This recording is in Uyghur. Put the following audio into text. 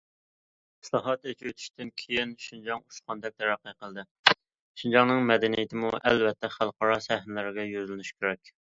ئىسلاھات، ئېچىۋېتىشتىن كېيىن شىنجاڭ ئۇچقاندەك تەرەققىي قىلدى، شىنجاڭنىڭ مەدەنىيىتىمۇ ئەلۋەتتە خەلقئارا سەھنىلەرگە يۈزلىنىش كېرەك.